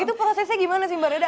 itu prosesnya gimana sih mbak reda